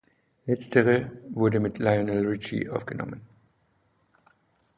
Letztere wurde mit Lionel Richie aufgenommen.